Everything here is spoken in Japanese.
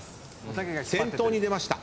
先頭に出ました。